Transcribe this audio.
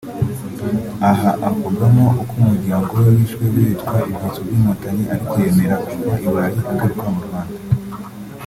Aha avugamo uko umuryango we wishwe witwa ibyitso by’Inkotanyi ariko yemera kuva i Burayi agaruka mu Rwanda